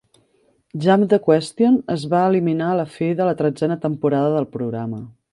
"Jump the Question" es va eliminar a la fi de la tretzena temporada del programa.